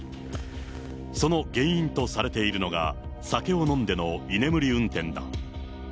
その原因とされているのが、酒を飲んでの居眠り運転だ。